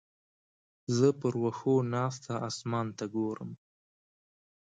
زه پر وښو ناسته اسمان ته ګورم.